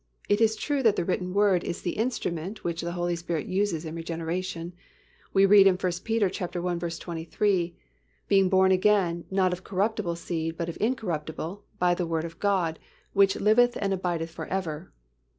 It is true that the written Word is the instrument which the Holy Spirit uses in regeneration. We read in 1 Pet. i. 23, "Being born again, not of corruptible seed, but of incorruptible, by the Word of God, which liveth and abideth forever."